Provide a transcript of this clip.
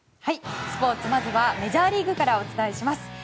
スポーツまずはメジャーリーグからお伝えします